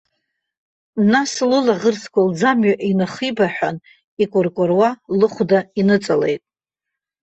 Нас лылаӷырӡқәа лӡамҩа инахьибаҳәан, икәыркәыруа лыхәда иныҵалеит.